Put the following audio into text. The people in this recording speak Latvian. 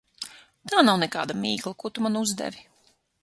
Tā nav nekāda mīkla, ko tu man uzdevi.